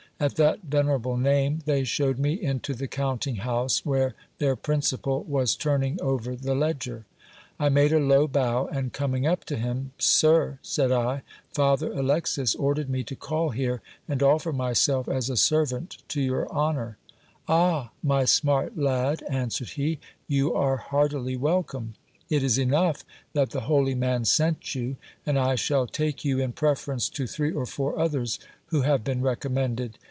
At that venerable name they shewed me into the counting house, where their principal was turning over the ledger. I made a low bow, and coming up to him, Sir, said I, Father Alexis ordered me to call here and offer myself as a servant to your honour. Ah ! my SCIPI&S STORY. 377 smart lad, answered he, you are heartily welcome. It is enough that the holy man sent you ; and I shall take you in preference to three or four others who have been recommended.